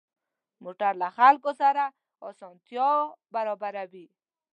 موټر له خلکو سره اسانتیا برابروي.